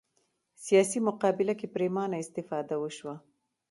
سیاسي مقابله کې پرېمانه استفاده وشوه